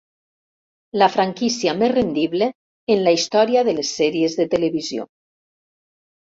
La franquícia més rendible en la història de les sèries de televisió.